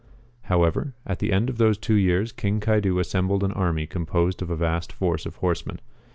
However, at the end of those two years King Caidu assembled an army composed of a vast force of horsemen.